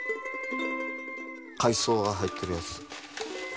海藻が入ってるやつ。